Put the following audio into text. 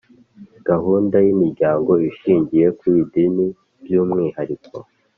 Gahunda y’imiryango ishingiye ku idini by’umwihariko